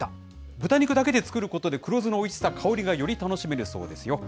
豚肉だけで作ることで黒酢のおいしさ、香りがより楽しめるそうですよ。